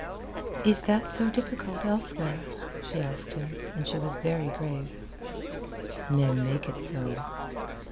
"Is that so difficult elsewhere?" she asked him, and she was very grave. "Men make it so."